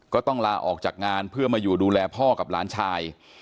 ต้องลาออกจากงานเพื่อมาอยู่ดูแลพ่อกับหลานชาย